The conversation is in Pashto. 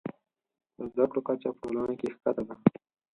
د زده کړو کچه په ټولنه کې ښکته ده.